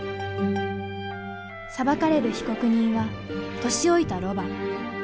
裁かれる被告人は年老いたロバ。